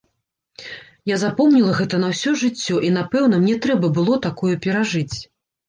Я запомніла гэта на ўсё жыццё, і, напэўна, мне трэба было такое перажыць.